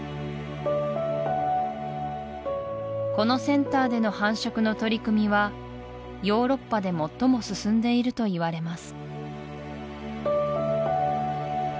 このセンターでの繁殖の取り組みはヨーロッパで最も進んでいるといわれます